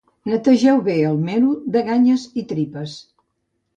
Netegeu bé el mero de ganyes i tripes